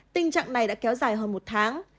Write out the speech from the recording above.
tình trạng này đã kéo dài hơn một tháng